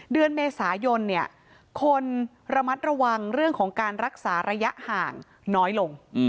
เดือนเมษายนคนระมัดระวังเรื่องของการรักษาระยะห่างน้อยลง